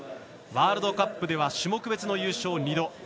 ワールドカップでは種目別の優勝２度。